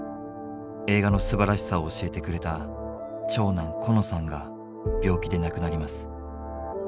映画のすばらしさを教えてくれた長男コノさんが病気で亡くなります。